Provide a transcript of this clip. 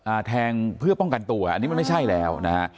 แทงเพื่อป้องกันตัวอันนี้มันไม่ใช่แล้วนะฮะ